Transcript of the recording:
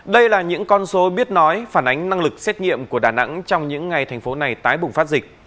đây là những con số biết nói phản ánh năng lực xét nghiệm của đà nẵng trong những ngày thành phố này tái bùng phát dịch